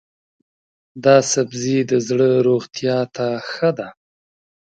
دا سبزی د زړه روغتیا ته ښه دی.